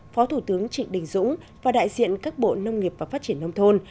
phó thủ tướng trịnh đình dũng và đại diện các bộ nông nghiệp và phát triển nông thôn